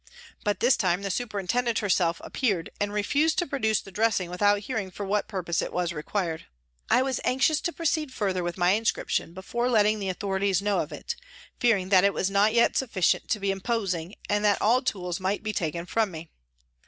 But this time the superintendent herself appeared and refused to produce the dressing without hearing for what purpose it was required. I was anxious to proceed further with my inscription before letting the authorities know of it, fearing that it was not yet sufficient to be imposing and that all tools might be taken from me.